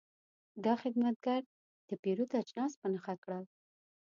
دا خدمتګر د پیرود اجناس په نښه کړل.